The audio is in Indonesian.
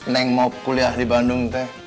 neng mau kuliah di bandung teh